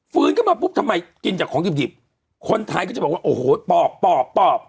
ขึ้นมาปุ๊บทำไมกินจากของดิบคนไทยก็จะบอกว่าโอ้โหปอบปอบปอบ